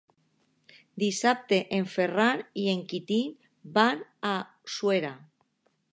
Dissabte en Ferran i en Quintí van a Suera.